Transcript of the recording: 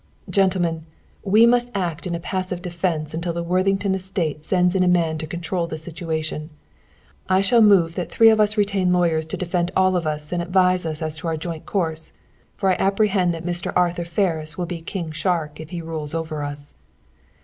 "Gentlemen, we must act in a passive defence until the Worthington Estate sends in a man to control the situation. I shall move that three of us retain lawyers to defend us all and advise us as to our joint course, for I apprehend Mr. Arthur Ferris will be a King Shark if he rules over us."